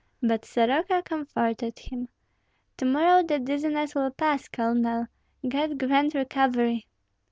But Soroka comforted him, "To morrow the dizziness will pass, Colonel; God grant recovery."